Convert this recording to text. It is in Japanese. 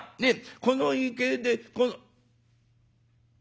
この池でこの」。